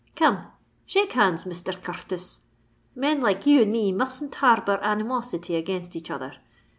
"Come, shake hands, Misther Cur r tis: men like you and me mustn't harbour animosity against each other.